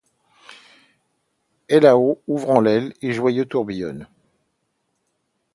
Est là-haut, ouvrant l’aile ; et, joyeux, tourbillonne